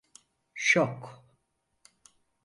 Şok!